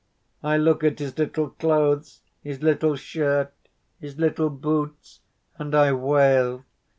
I look at his little clothes, his little shirt, his little boots, and I wail.